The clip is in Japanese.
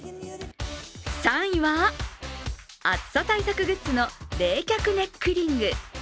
３位は、暑さ対策グッズの冷却ネックリング。